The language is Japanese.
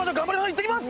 行ってきます！